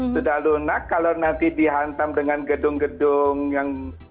sudah lunak kalau nanti dihantam dengan gedung gedung yang